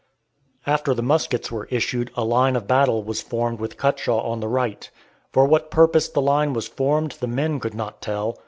After the muskets were issued a line of battle was formed with Cutshaw on the right. For what purpose the line was formed the men could not tell.